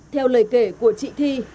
theo lời kể của chị thi